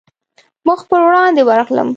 مخ پر وړاندې ورغلم.